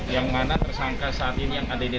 yang mana tersangka saat ini yang ada ini